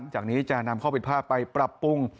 จากนี้จะนำข้อผิดพลาดไปปรับปรุง